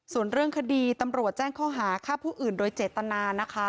ส่วนเรื่องคดีตำรวจแจ้งข้อหาฆ่าผู้อื่นโดยเจตนานะคะ